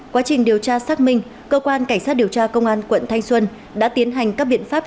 quá trình điều tra xác minh cơ quan cảnh sát điều tra công an quận thanh xuân đã tiến hành các biện pháp